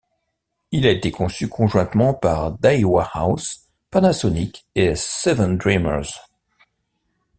Il a été conçu conjointement par Daiwa House, Panasonic et Seven Dreamers.